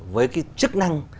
với cái chức năng